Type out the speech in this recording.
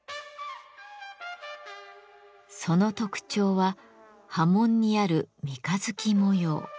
その特徴は刃文にある三日月模様。